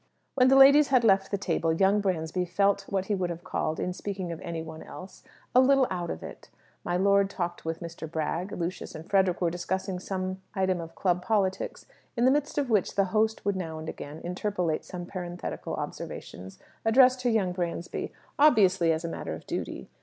When the ladies had left the table, young Bransby felt what he would have called, in speaking of any one else, "a little out of it." My lord talked with Mr. Bragg, Lucius and Frederick were discussing some item of club politics, in the midst of which the host would now and again interpolate some parenthetical observations addressed to young Bransby, obviously as a matter of duty.